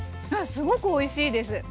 すごくおいしいです。